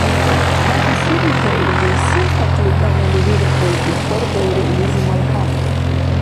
– ХӀед се бетаурли, сен ахъли тӀамалириркьулри? – хьарбаира илизи малхӀямли.